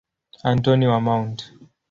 Antoni wa Mt.